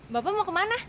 bapak mau ke mana